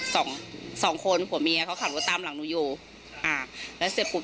สองสองคนผัวเมียเขาขับรถตามหลังหนูอยู่อ่าแล้วเสร็จปุ๊บ